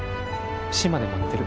島で待ってる。